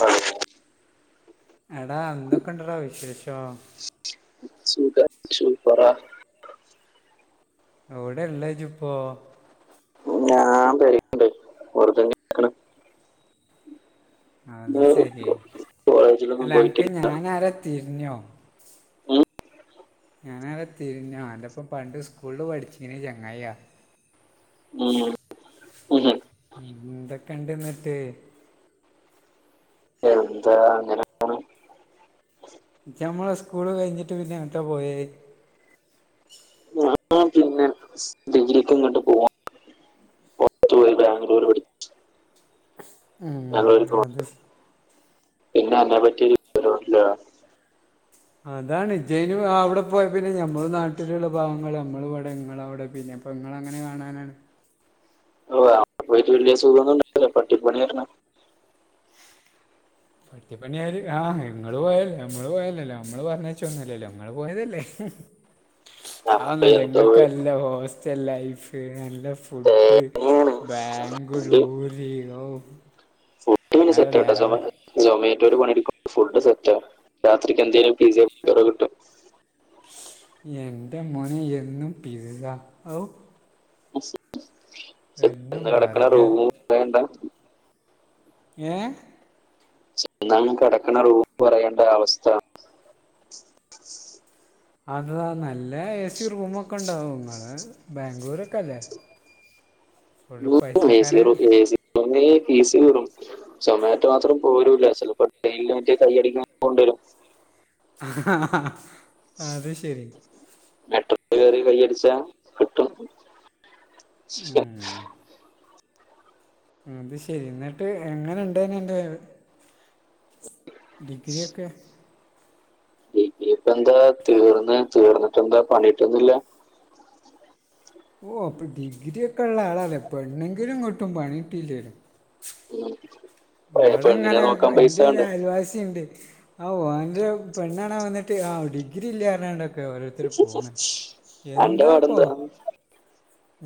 Hello എടാ എന്തൊക്കെണ്ടറാ വിശേഷോ സുക ശൂപ്പറാ എവിടെള്ളജ്പ്പോ ഞാൻ പേരെല് അത് ശരി കോളേജിലൊന്നും അല്ല അൻക്ക് പോയിട്ടില്ല ഞാൻ ആര തിരിഞ്ഞോ ഉം, ഞാനാര തിരിഞ്ഞ അന്റൊപ്പം പണ്ട് സ്കൂളിൽ പഠിച്ചിനെ ചെങ്ങായിയാ ഉം ഉം. എന്തൊക്കെ ഇണ്ട്ന്നിട്ട് എന്താ അങ്ങനെ പോണ്. ഇജ്ജ് ഞമ്മള് സ്കൂള് കഴിഞ്ഞിട്ട് പിന്നെങ്ങട്ട പോയെ ഞാൻ പിന്നെ ഡിഗ്രിക്ക് ഇങ്ങോട്ട് പോവാ പോയി ബാഗ്ലൂര് പഠി ഉം പോവാം അത് പിന്നെ അതെ പറ്റി ഒരു വിവരോല്ല അതാണ് ജ്ജയന് ആ അവിടെ പോയ പിന്നെ ഞമ്മൾ നാട്ടിലുള്ള പാവങ്ങൾ നമ്മൾ വ്ടെ ഇങ്ങള് അവ്ടെ പിന്നെ അപ്പൊ നിങ്ങളങ്ങനെ കാണാനാണ് ഓ, അവിടെ പോയിട്ട് വല്യ സുഖോന്നുണ്ടായില്ല പട്ടിപ്പണി ആയിരുന്ന് പട്ടിപ്പണിയായാലും ആഹ് ഇങ്ങള് പോയെല്ലേ ഞമ്മള് പോയെല്ലാലോ അമ്മള് പറഞ്ഞയ്ചോന്നെല്ലലോ ഇങ്ങള് പോയതെല്ലേ നമ്മൾ അഒന്നെല്ല എന്തോ ഇങ്ങൾക്ക്ല്ല ഹോസ്റ്റൽ ലൈഫ് നല്ല ഫുഡ് തേങ്ങയാണ് ഫുഡ് ബാംഗ്ലൂര് ഓഹ് വേറെ ലെവല് വൈകിട്ട്വരെ പണി എടക്കു ഫുഡ് സെറ്റ രാത്രിക്ക് എന്തേലു പിജി [unintelligible] കിട്ടും എന്റെ മോനെ എന്നും പിസ്സ [unintelligible] എന്നും ഇന്ന് കിടക്കണ ബർഗർ റൂമും വേണ്ടാ ഏ ചെന്നാ കെടക്കണ റും പറയേണ്ട അവസ്ഥ അതാ നല്ല എ സി റൂമൊക്കെ ഒണ്ടാവും നിങ്ങൾ ബാംഗ്ലൂരക്കെല്ലേ ഉം ഏസി റും ഏസിറൂമേ കീശ കീറും സൊമാറ്റോ മാത്രം പോരുംല്ല ചിലപ്പോ ടെയി മറ്റ കയ്യി അടിക്കാ പോണ്ടി വരും അത് ശരി മെട്രോ കയറി കൈ അടിച്ചാ കിട്ടും ശ ഉം അത് ശരി എന്നിട്ട് എങ്ങനെുണ്ട്ന്നെ നിന്റെ വൈബ് ഡിഗ്രിയൊക്കെ ഡിഗ്രിയൊക്കെ എന്താ തീർന്ന് തീർന്നിട്ട് എന്താ പണിട്ടൊന്നുമില്ല ഓ അപ്പൾ ഡിഗ്രി ഒക്കെ ഒള്ള ആളല്ലേ പെണ്ണെങ്കിലും കിട്ടും പണിട്ടില്ലേലും ഉം. പെ- ഇവിടെ പെണ്ണിനെ ഇങ്ങനെക്കെ നോക്കാൻ പൈസ ഇന്റെ ഒരു ഉണ്ട് അയൽവാസി ഇണ്ട് ഹൗ ഓൻ്റെ പെണ്ണാണ വന്നിട്ട് ആ ഡിഗ്രി ഇല്ലാർഞ്ഞാണ്ട് ഓരോർത്തര് പോണ് അന്റെ എന്താപ്പോ പാടെന്താ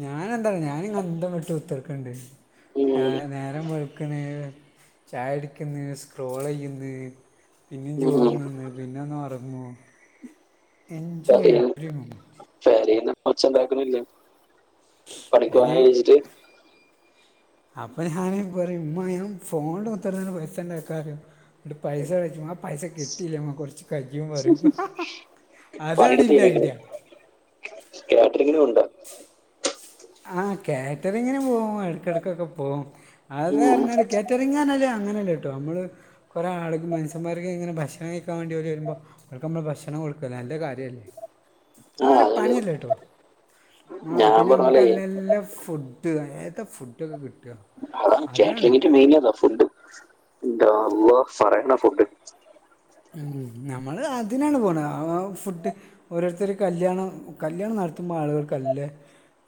ഞനെന്താ ന്നൊ ഞാനിങ്ങനെ അന്തം വിട്ടുതാർക്കണ്ട് ഉം. ആ നേരം വെളുക്കണ് ചായടിക്കുന്നു സ്ക്രോളയ്യുന്നു പിന്നെ ചോറ് ഉം. നിന്ന് പിന്നെ ഒന്ന് ഉറങ്ങും എൻജോയ് എവരിമ ശരി ന്ന പ്പ ഒച്ച ണ്ടാക്കാനിലേ അയ്ന അപ്പൊ ഞാന പറയും ഉമ്മ ഞൻ ഫോണില് കുത്താർന്ന് ട്ട് പൈസ ഉണ്ടാക്കറിം പൈസ ഇട്ട് പൈസ കഴി [unintelligible] ച്ച് പൈസ കിട്ടിയിേ [unintelligible] മ്മ കുറച്ച് കയ്യും പറിം ഹ ഹ ഹ പണിയെടുത്ത് അതാണിൻ്റെ കഴിഞ്ഞിരിക്കണം ഐഡിയ കാറ്ററിങ്ങിനും ഉണ്ട ആ കാറ്ററിങ്ങിന് പോകും എടയ്ക്കട യ്ക്കൊക്കെ പോകും അത് ഉം. പറഞ്ഞാല് കാറ്ററിംഗ് റഞ്ഞാല് അങ്ങനെല്ലട്ടോ നമ്മള് കുറെ ആള് മനസമാര്ക്ക് ഇങ്ങന ഭക്ഷണം കഴിക്കാൻ വേണ്ടി അവര് വരുമ്പോ അവക്ക് നമ്മള് ഭക്ഷണം കാട്കല്ലേ നല്ല കാര്യല്ലേ ആ ഒരു പണിയല്ല ട്ടോ ഞാൻ പിന്നെ പറഞ്ഞ നമ്മ പോലെ നല്ല ഫുഡ് ഏത ഫുഡൊക്കെ കിട്ട കാറ്ററിംഗിൻറെ മെയിൻ അതാ ഫുഡ് ൻ്റെ അല്ലാഹ് പറയണ്ട ഫുഡ് ഉം നമ്മള് അതിനാണ് പോണേ ആ ആ ഫുഡ് ഓരോർത്തര് കല്യാണം കല്യാണം നടത്തുമ്പോ ആളുകൾക്കല്ലേ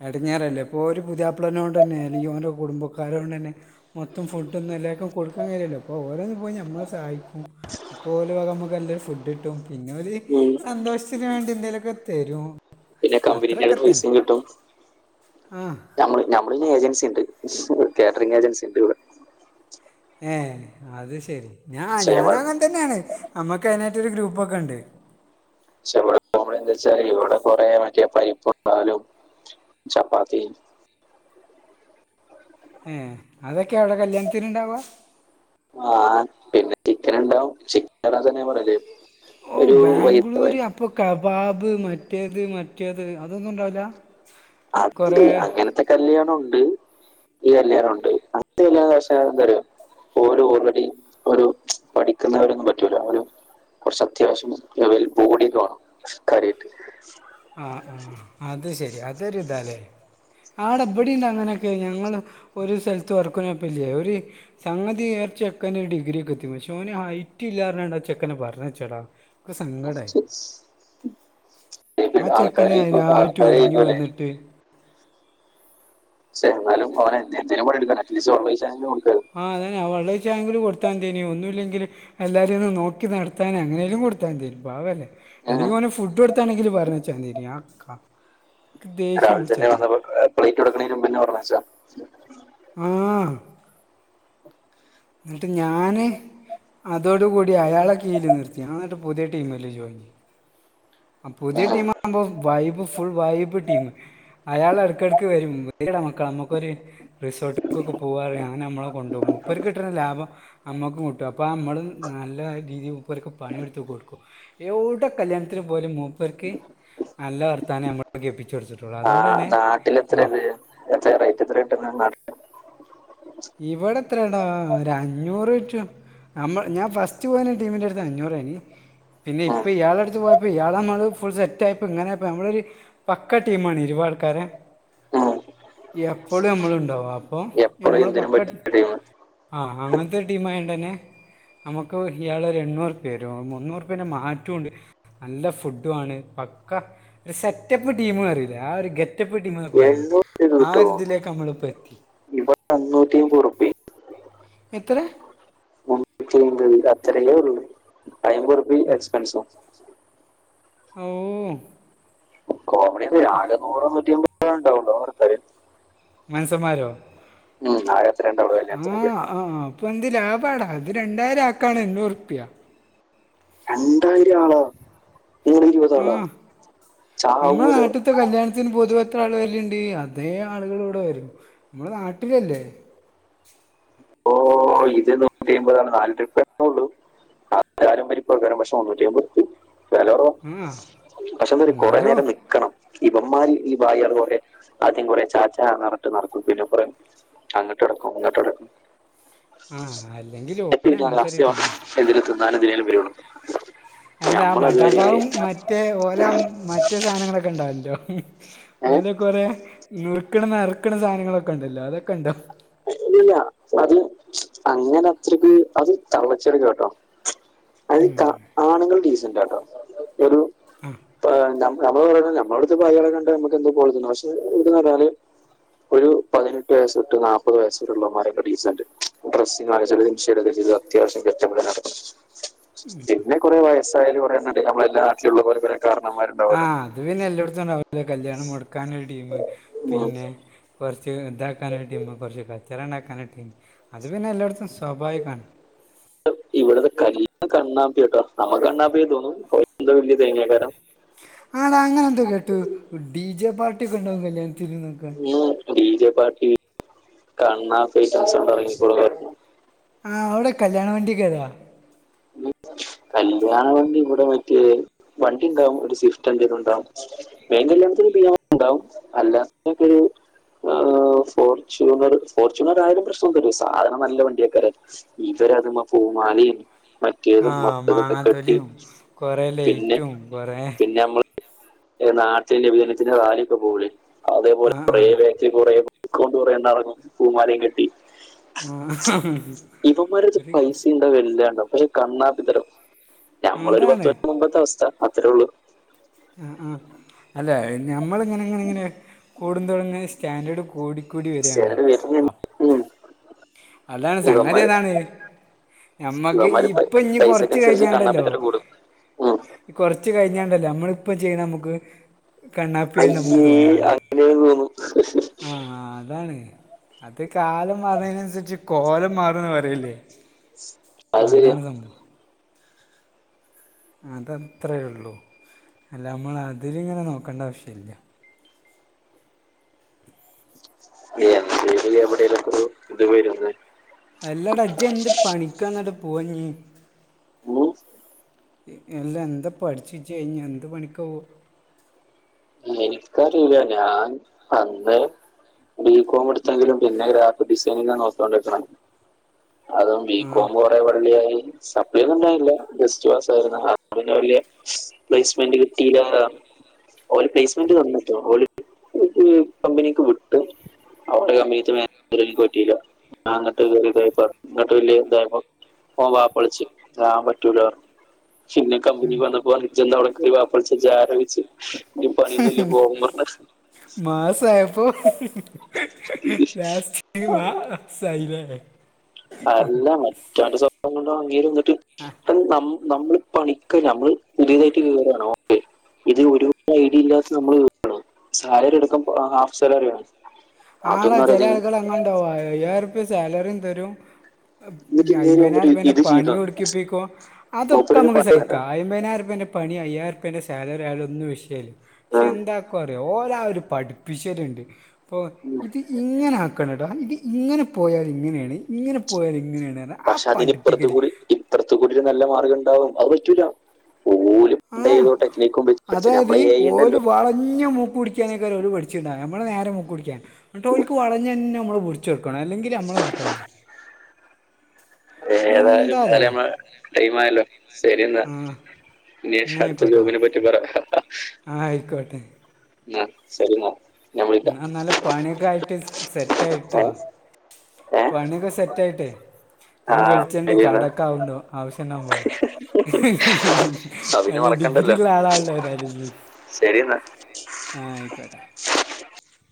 അടങ്ങഞ്ഞേറല്ലേ ഇപ്പോൾ ഒരു പുതാ്ളനോണ്ട തന്നെ അല്ലെങ്കിൽ ഓരോ കുടുംബക്കാരോണ്ട് തന്നെ മൊത്തം ഫുഡൊന്നും എല്ലാവർക്കും കൊക്കാൻ കാര്യമല്ലോ അപ്പോൾ ഓരോന്ന് പോയി നമ്മൾ സഹായിക്കും പോല വക നമുക്ക് നല്ലൊരു ഫുഡ് കിട്ടും പിന്നെ ഒരു സന്തോഷത്തിന് വേണ്ടി എന്തേലുമൊക്കെ തരും പിന്നെ കമ്പനീന്റെ അ അത്രയൊക്കെ തന്നെ പൈസും കിട്ടും ആ മ്മ നമ്മളി ഏജൻസി ഉണ്ട് കാറ്ററിംഗ ഏജൻസി ഉണ്ട് ഇവിടെ ഏഹ അത് ശരി ഞാ ക്ഷേമ ഞാന അങ്ങൻ പക്ഷെ തന്നെയാണ് അമ്മക്ക് അതിനായിട്ടരു ഗ്രൂപ്പൊക്കെ ഉണ്ട്. പക്ഷെ ഇവിടെ നന്താ വച്ചാല് ഇവിടെ കൊറ മറ്റേ പരിപ്പാലും ചപ്പാത്തി ഉം അതൊക്കെ അവിടെ കല്യാണത്തിന ഉണ്ടാവുക ആഹ് പിന്നെ ചിക്കൻ ഉണ്ടാവും ചിക്കൻന്നെ പോലല്ലേ ഓ ബാംഗ്ലൂര് അപ്പൊ കബാബ് മറ്റേത് മറ്റേത് അതൊന്നും ഉണ്ടാവില്ല അതണ്ട് കുറേ അങ്ങനത്തെ കല്യാണം ഉണ്ട് ഇഈ കല്യാറുണ്ട് അ എന്തോ ഓര ഓൾറെഡി ഒരു പഠിക്കുന്നവരൊന്നും പറ്റൂല അവ കുറച്ച് അത്യാവശ്യംൽ ബോഡട്ടണം കറിട്ട് ആ ആഹ അത് ശരി അതൊരി ഇതാല്ലേ ആടബഡിയ ഉണ്ട് അങ്ങനെയൊക്കെ ഞങ്ങള്ൾ ഒരു സ്ഥലത്ത് വർക്കനപ്പ ഇ ഒരു സംഗതി ച നേർച്ചെക്കന ഒരു ഡിഗ്രി ഒക്കെ എത്തി ശോന് ഹൈറ്റ് ഇല്ലാാരാണ്ടച്ചെക്കനെ പറഞ്ഞച്ചേടാ ആ ആൾക്കാര ചെക്കനെ അതിനായിട്ട് ആൾക്കാര ഒരുങ്ങി പോലെ വന്നിട്ട് സ എന്നാലും അവെ എന്തെങ്കും എടുക്ക അറ്റ്ലീസ് കൊടുക്ക ആ അതന്നെ വളരെ വ ചാങ്കിൽ കൊടുത്താൻ തന്നിനെ ഒന്നുമില്ലെങ്കിലും എല്ലാരെയും ഒന്ന് നോക്കി നടത്താൻ അങ്ങനെലും കൊടുത്താൻ തരും പാവ അല്ലേ അല്ലെങ്കിൽ നെ ഫുഡ് കൊടുത്താണെങ്കിൽ പറഞ്ഞ വച്ചാരിക്ക രാവിലെ തന്നെ വന്നപ്പോ പ്ലേറ്റ് കൊടുക്കണ മുമ്പ പറഞ്ഞച്ചാ മ്മ് എന്നിട്ട് ഞാൻ അതോടുകൂടി അയാളെ കീഴിൽ നിർത്തിയാണ് എന്നിട്ട് പുതിയ ടീമിൽ ജോയിൻ ചെയ്യും ആ പുതിയ ടീം ആവുമ്പോ വൈ്പ് ഫുൾ വൈ്പ് ടീം അയാൾ ഇടക്കിടക്ക് വരും വീട മക്കൾ നമ്മുക്കൊരു റിസോർട്ടുകക്കൊക്കെ പോകാറ് അങ്ങനെ നമ്മള കൊുപോകും മുപ്പർക് കിട്ടുന്ന ലാഭം അമ്മക്ക് കിട്ടും അപ്പോം നമ്മള് നല്ല രീതിയിൽ ഉപ്പൊക്കെ പണിയെടുത്ത കൊടുക്കും യെടെ കല്യാണം ത്തിരി പോലും മൂപ്പേർക്ക് നല്ല വർത്താനം നമ്മൾ കെൾപ്പിച്ച കൊടുത്തിട്ടുള്ളൂ അതുകൊണ്ടു തന്നെ നാട്ടിൽ എത്ര മ ഇത് എത്ര റേറ്റ് എത്ര ഇറ്റക്ണ് ഇവിടെ എത്രടോ ഒർ അഞ്ഞൂറ് റ്റു നമ്മൾ ഞാൻ ഫസ്റ്റ് പോയിന്ന ടീമിന്റെ അടുത്ത് അഞ്ഞൂരെന്നു പിന്നെ ഇപ്പോൾ ഇയാളെടുത്ത് പോയപ്പോൾ ഇയാൾ നമ്മൾ ഫുൾ സെറ്റ് ആയപ്പോൾ ഇങ്ങനെപ്പോ നമ്മളൊരു പക്ക ടീംണ് ഇരുവൾക്കാരെ എപ്പോഴും മ്മൾണ്ടവും അപ്പൊ എപ്പോഴും ഞമ്മള് എന്തിനും പക്ക പറ്റുന്ന ടൈം ആഹ് അങ്ങനത്തെ ഒരു ടീം ആയണ്ടന്നെ നമുക്ക് ഇയാള് എണ്ണൂറ് നല്ല ഫുഡ് ആണ് പക്ക ഒരു സെറ്റപ്പ് ടീം പറിയില്ലേ ആ ഒരു ഗറ്റ് ഗറ്റപ്പ് ടിം ഒക്കെ പറയുലെ എണ്ണൂറ് ആഒരു ഇതിലേക്ക് നമ്മളിപ്പോ എത്തി ഇബട് ത്തെ അന്നുട്ടി അയ്ബ് ഉർപ്പി എത്രയാ മുന്നൂറ്റി ഐമ്പത് അത്ര ഒള്ളു അമ്പത് ഉർപിഎം എക്സ്പെൻസും ഓ കോമഡി [unintelligible] നൂറോ നൂറ്റിമ്പതെ ഉണ്ടാവുള്ളോഅത് വേറെ കാര്യം മനസ്സന്മാരോ ഉം ആകെ എത്ര ണ്ടാവോള്ളൂ ആ കല്യാനത്തി നോക്കെ ആ അപ്പൊ എന്ത് ലാഭമാണ് അത് രണ്ടായിരം ആക്കാണ് എഞ്ഞൂർപ്യ രണ്ടായിരം ആളെ മൂടെ ഇരുപത ആളാ ചാവലോ ഒരു കല്യാണത്തിന് പൊതുവെത്ര ആളു വരല്ലുണ്ട് അതേ ആളുകൾ ഇവിടെ വരും നമ്മൾ നാട്ടിലല്ലേ ഓ ഇത് നൂറ്റി അയ്മ്പതാണ് നാല് ട്രിപ്പ ന്നെള്ളൂ. ആ താലും പരിപ്പോക്കെരം പക്ഷേ മൂന്നിറ്റി അയ്മ്പത്‌ ഇട്ത്ത് ചെലെരെ ആ പക്ഷെന്ത കൊറെേ എന്നാലും നേരം നിക്കണം ഇവന്മാർ ഈ ബായർ കൊറേ ആദ്യം കൊറെ ചാച്ച നിറട്ട് നടക്കും പിന്നെകൊറേ അങ്ങോട്ട് നടക്കും ഇങ്ങട്ട് നടക്കും ആഹ അല്ലെങ്കിൽ ഓല് അങ്ങനത്തെ ഒരു ടീമാ എന്തിനെ ത്തിന്നന്നും എന്തിനേ വരുള്ളൂ അല്ലാ ഞമ്മളതുവരെ ഭടാപ്പവം മറ്റെ മറ്റേ ഓലെ മറ്റേ സാധനങ്ങളൊക്കെ ഉണ്ടാവല്ലോ ഏ ഓലെ കൊറെ നുറുക്കണ നറുക്കണ സാധനങ്ങളൊക്കെ ഉണ്ടല്ലോ അതൊക്കെ ഉണ്ടോ ഇല്ല അതില് അങ്ങനെ അത്രക്ക് അത് തള്ളച്ചെടക്ക് കേട്ടോ ഉം ആണുങ്ങൾ ഡീസന്റ്ട്ടോ ഒരു പ ഞ നമ്മള് പറണ നമ്മള അടുത്ത് പ്പോഅയളെ കണ്ട നമുക്ക് എന്ത പോലെ തോന്നു പക്ഷെ ഇത്‌ന്ന് പറഞ്ഞാല് ഒരു പതിനെട്ട് വയസ്സ് തൊട്ട് നാൽ മുപ്പത് വയസ്ള്ളവൻമാരെക്കെ ഡീ സെന് ന്റ് ഡ്രസിങ്ങ് ആയാൽ ചേലോർ ഇൻഷായ്ഡ് ചെയ്ത് അത്യാവശ്യം കെറ്റപ്പിലൊക്കെ നടക്കും പിന്നെ കുരെ വയസ്സാല് കുറേ നമ്മള എല്ലാ നാട്ടില ഉള്ള പോലെ കാരണന്മാരുണ്ടാവുമല്ലോ ആഹ അത് പിന്നെ എല്ലോട്ത്തും ഉണ്ടാവുല്ലേ കല്യാണം മൊടക്കാൻ ഒരു ടീം ഉം. പിന്നെ കുറച്ച് ഇതാക്കാനൊരു ടീംമ് കുറച്ച് കച്ചറ ഉണ്ടാക്കാൻ ടീംമ് അത് പിന്നെ എല്ലോട്ത്തും സ്വാഭാവികമാണ്. ഇവിടത്തെ കല് കണ്ണാപ്പി കേട്ടോ നമ്മു കണ്ണാപ്പിയ തോന്നും ഓൽ ക് വലിയ തേങ്ങാക്കാരം ആടാ അങ്ങനെ എന്തോ കേട്ടു. ടി ജെ പാട്ടി ഒക്കെ ഉണ്ടാവും കല്ല്യണത്തിനൊക്കെ. ഓ ടി ജെ പാർട്ടി കണ്ണാ പേറ്റൻസ് കൊണ്ടിറങ്ങിപ്പോളൻ ആ അവിടെ കല്യാണ വണ്ടിക്കെ താ കല്ല്യാണ വണ്ടി ഇവിടെ മറ്റിയ വണ്ടി ഉണ്ടാവും ഒരു സ്വിഫ്റ്റ് എന്തെങ്കിലും ഉണ്ടാവും. വേങ്കല്ലാത്ത ഒരു ബിരിയാണി ഉണ്ടാവും അല്ലാത്തതൊക്കെരു ആഹാ ഫോർച്യുണർ ഫോർച്യൂണർ ആയാലും പ്രശ്നം ന്നില്ല. സാധനം നല്ല വണ്ടിയക്കാരം. ഇവരത്‌മേ പൂമാലേം ആ മറ്റേതും മർ മാങ്ങാത്തൊലിയും കുറേ ലെറ്റും കുറേ നമ്മള് നാട്ടിന്റെ വിനത്തിന്റെ കാലൊക്കെ പോകല് അതേപോലെ ആ ആ കുറേവേ കുറെ കുത്തികൊണ്ട് അറങ്ങും പൂമാലെയും കെട്ടി. ആ ഇവമാരട്‌ത്ത് പൈസയും വല്ലാണ്ട പക്ഷെ കണ്ണാപ്പിത്തരം ഞമ്മളൊ ഒരു അതാണ് പത്ത് മുമ്പത്തെ അവസ്ഥ അത്രേ ഉള്ളൂ. ആഹ് ആഹ് അല്ല നഞമ്മളിങ്ങനെ ഇങ്ങന ഇങ്ങനെ കൂടു തുടങ്ങ സ്റ്റാൻഡേർഡ് കൂടി. സ്‌റ്റ്‌യ്ല് വരുന്ന്ണ്ട് ഉം അതാണ് സംഗതി ഇവന്മാര് അതാണ് ഞമ്മക്ക് ഇവന്മാര് പൈ- ഇപ്പൊ ഇനി കൊറച്ച് പൈസക്കനുസരിച്ച് കഴിഞ്ഞാല്ണ്ടല്ലോ കണ്ണാപ്പിത്തരം കൂടും ഉം. ഈ കുറച്ച കഴിഞ്ഞാണ്ടല്ലേ നമ്മളിപ്പം ചെയ്യുന്ന നമുക്ക് കണ്ണാപ്പിയായിട്ട് നമുക്ക് അയ്യേ അങ്ങനേ തോന്നും. ആഹ അതാണ് അത് കാലം അതനുസരിച്ച് കോലം മാറന്ന് പറയില്ലേ അത് ശരിയാ അതാണ് സംഭവം. അതത്രേ ഉള്ളൂ അല്ല നമ്മൾ അതില് ഇങ്ങനെ നോക്കേണ്ട ആവശ്യമില്ല. എന്ത ചെയ കേവിടെയിലക്കുണു ഇത് വരുന്ന അല്ലാട ഇജ്ജ് എന്ത് പണിക്കാന്നിട്ട് പോവാഞ്ഞി. ഉം എല്ലാം എന്താ പഠിച്ച്ച്ച് കഴിഞ്ഞഞ് എന്ത് പണിക്കാവോ എനിക്ക അറില്ല ഞാൻ അന്ന് ബി കോം പടിച്ചെങ്കിലും പിന്നെ ഗ്രാഫിക്ക് ഡിസൈനിങ്ങാ നോക്കികോണ്ടിരികണത്. അതും ആ ബികോം കൊറെ വള്ളിയായി സപ്ലി എഴുതന്നില്ല ജെസ്റ്റ് പസായിരുന്നു അതന്നെ വല്ല്യയ പ്ലേസ്മെന്റ് കിട്ടില്ല ഓര് പ്ലേസ്മെന്റ് തന്നുട്ടോ ഓല് ഉം കമ്പനിക്ക് വിട്ട് അവിടെ കമ്മീനിക്ക് പറ്റില്ല അങ്ങട്ട് വലിയ ഇതായപ്പ ഇങ്ങട്ട് വലിയ ഇതയപ്പ പോവോപ്പൾസ് ഞാൻ പറ്റൂലറഞ്ഞു. പിന്നെ കമ്പനി വന്നപ്പോജ്ജ് ന്താവിടെക്ക്ണ് വപ്പിച്ച ജാര വെച്ച് ഇനി പണിയൊന്നുംല്ലേ വോമർ നൊസ്സി മാസായപ്പോ പറഞ്ഞു ലാസ്റ്റ് മാ സയില്ലേ അല്ല മറ്റ സ്വഭംണ്ട അങ്ങന്നിട്ട് ആഹ് നമ്മൾ പണിക്ക നമ്മൾ പുതിയതായിട്ട് കയറാണ് ഓക്കെ ഇത് ഒരുപാട് ഐഡിയ ഇല്ലാത്ത നമ്മൾ സാലറി എടുക്കാമ്പ ഹാഫ് സാലറി ആണ് ആടാ അതൊന്നും ചില അറിയാതെ ഇ- ആളുകൾ അങ്ങണ്ടാവും അയ്യരൂപ്പിയാ സാലറിം തരും എന്നിട്ട് ഈ ഇങ്ങനെ അയ്മ്പതിനായിരം വന്നിട്ട് റുപ്പിയെടെ ഇത് പണി ചെയ്തു ഉടുക്കിപ്പിക്കും അതൊക്കെ മൂപ്പരൊരു നമുക്ക് സ പറഞ്ഞിട്ടാ ഹിക്കാം അയ്ബത്തിനായിരം റുപ്പിയെന്റേം പണി അയ്യരം റുപ്പിയെന്റെ സാലറി ആയാലും ഒന്നു വിഷയില്ല പക്ഷെ എന്താക്കും അറിയോ ഓരെ ആ ഒരു പഠിപ്പിച്ചരുണ്ട് ഇപ്പൊ ഇത് ഇങ്ങനെ ആക്കാണോട്ടോ ഇത് ഇങ്ങനെ പോയാൽ ഇങ്ങനെയാണ് ഇങ്ങനെ പോയാൽ ഇങ്ങനെയാണ് ആ പക്ഷെ അതിന് ഇപ്പറത്ത് പഠിപ്പിക്കല് കൂടി ഇപ്പറത്ത് കൂടി ഒരു നല്ല മാർഗ ഉണ്ടാവും അത് പറ്റൂല ഓല് പണ്ട് ആഹ് ഏതോ ടെക്നിക്കും വെച്ച് പഠിച്ച അതായത് നമ്മളെ ഏ ഓല് ഉണ്ടല്ലോ വളഞ്ഞ് മൂക്ക് പിടി ക്ക ഒര് പഠിച്ചണ്ടാവ നമ്മള നേരെ മുക്ക് പിടിക്കാൻ ട്ട് ഓൾക്ക് വളഞ്ഞ് തന്നെ നമ്മള് ചെടുക്കണം അല്ലെങ്കിൽ നമ്മൾ പൊട്ടമാർ ഏതായാലും എന്താലേ ഏലും നമ്മള് ടൈം ആയല്ലോ ശരി എന്നാ ആഹ് ഇൻഷാ എന്നാ അടുത്ത ആയിക്കോട്ടെടാ ജോബിനെ പറ്റി പറ ആയിക്കോട്ടെ ഇന്നാശെരിന്ന എന്ന നല്ല പണിയൊക്കെ ആയിട്ട് സെറ്റായിട്ട് ഏ വാ ഏ പണിയൊക്കെ സെറ്റ് ആയിട്ടേ ആ ഞാൻ വിളിച്ചിണ്ട് ശരിയെന്നാ കടക്ക ആവണ്ടോ ആവശ്യം ഉണ്ടാവുമ്പോളേ സബിനെ നല്ല ഡിഗ്രിള്ള ആളാല്ല ഏതായാലും ജ്ജ് ശരി എന്നാ ആഹ് ആയിക്കോട്ടെ